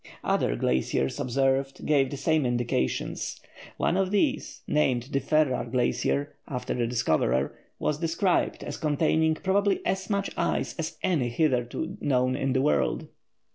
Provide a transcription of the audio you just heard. Other glaciers observed gave the same indications. One of these, named the Ferrar Glacier, after the discoverer, was described as containing probably as much ice as any hitherto known in the world.